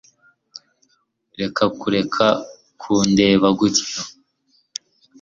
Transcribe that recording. reka kureka kundeba gutya